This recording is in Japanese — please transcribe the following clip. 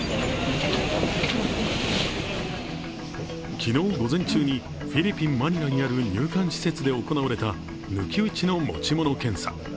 昨日午前中にフィリピン・マニラにある入管施設で行われた抜き打ちの持ち物検査。